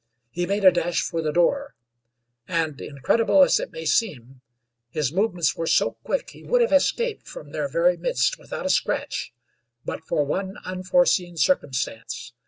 He made a dash for the door and, incredible as it may seem, his movements were so quick he would have escaped from their very midst without a scratch but for one unforeseen circumstance.